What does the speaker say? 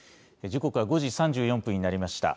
時刻は５時３４分になりました。